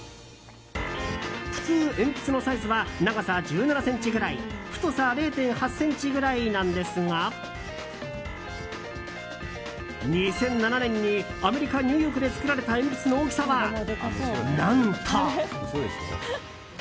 普通、鉛筆のサイズは長さ１７ｃｍぐらい太さ０．８ｃｍくらいなんですが２００７年にアメリカニューヨークで作られた鉛筆の大きさは何と。